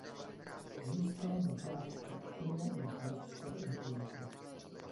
Získal bakalářský titul na Haifské univerzitě.